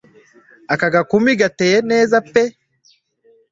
aka gakumi gateye neza pe